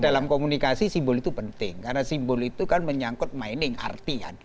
dalam komunikasi simbol itu penting karena simbol itu kan menyangkut mining arti kan